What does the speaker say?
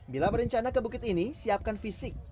bila berencana ke bukit ini siapkan fisik